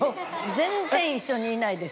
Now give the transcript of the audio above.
全然一緒にいないです